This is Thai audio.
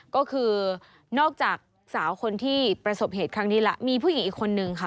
ก็คือนอกจากสาวคนที่ประสบเหตุครั้งนี้แล้วมีผู้หญิงอีกคนนึงค่ะ